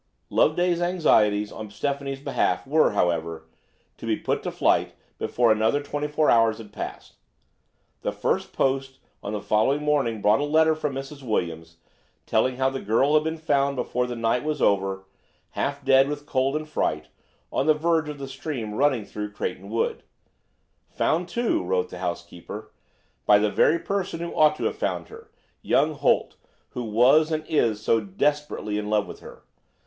Loveday's anxieties on Stephanie's behalf were, however, to be put to flight before another twenty four hours had passed. The first post on the following morning brought a letter from Mrs. Williams telling how the girl had been found before the night was over, half dead with cold and fright, on the verge of the stream running through Craigen Wood–"found too"–wrote the housekeeper, "by the very person who ought to have found her, young Holt, who was, and is so desperately in love with her.